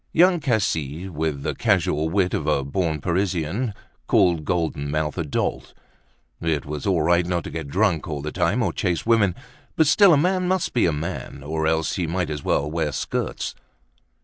Young Cassis, with the casual wit of a born Parisian, called Golden Mouth a dolt. It was all right not to get drunk all the time or chase women, but still, a man must be a man, or else he might as well wear skirts.